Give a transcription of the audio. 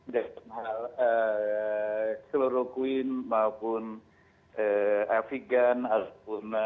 beda kloroquine maupun afigan